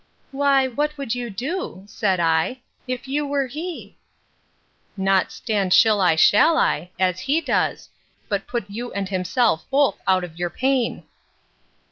Why, what would you do, said I, if you were he?—Not stand shill I shall I, as he does; but put you and himself both out of your pain.